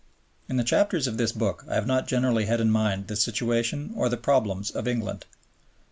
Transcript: In the chapters of this book I have not generally had in mind the situation or the problems of England.